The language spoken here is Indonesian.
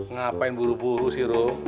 ngapain buru buru sih rum